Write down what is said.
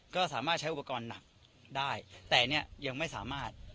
ก็สามารถใช้อุปกรณ์หนักได้แต่เนี่ยยังไม่สามารถ